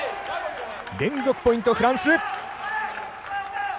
連続ポイント、フランス！